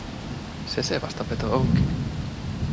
Se se vasta peto onkin.